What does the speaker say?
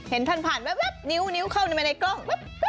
เห็นพาทนิ้วเข้ามาในกล้อง